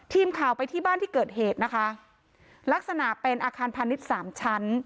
ทีมข่าวไปที่บ้านที่เกิดเหตุนะคะลักษณะเป็นอาคารพาณิชย์สามชั้น